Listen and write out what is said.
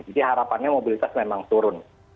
jadi harapannya mobilitas memang turun